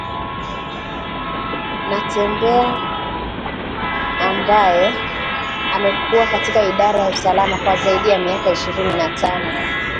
Natembeya ambaye amekuwa katika idara ya usalama kwa Zaidi ya miaka ishirini na tano